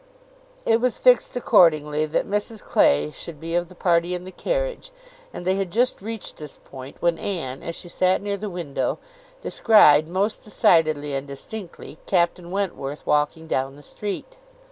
It was fixed accordingly, that Mrs Clay should be of the party in the carriage; and they had just reached this point, when Anne, as she sat near the window, descried, most decidedly and distinctly, Captain Wentworth walking down the street.